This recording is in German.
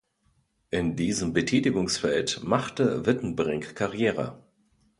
In diesem Betätigungsfeld machte Wittenbrink Karriere.